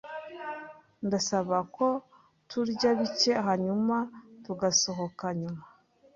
Ndasaba ko turya bike, hanyuma tugasohoka nyuma.